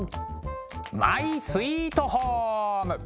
マイスイートホーム！